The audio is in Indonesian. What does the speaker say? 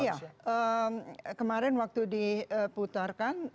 iya kemarin waktu diputarkan